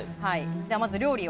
まず料理を。